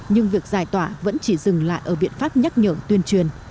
nhưng việc giải tỏa vẫn chỉ dừng lại ở biện pháp nhắc nhở tuyên truyền